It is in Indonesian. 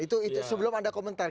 itu sebelum anda komentar